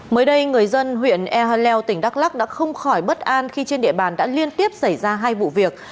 mới đây người dân huyện ea leo tỉnh đắk lắc đã không khỏi bất an khi trên địa bàn đã liên tiếp xảy ra hai vụ việc